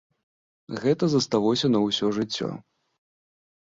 Гэта засталося на ўсё жыццё.